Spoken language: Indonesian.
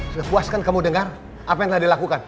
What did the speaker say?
sepuaskan kamu dengar apa yang telah dilakukan